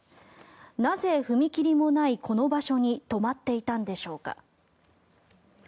なぜ、踏切もないこの場所に止まっていたんでしょうか。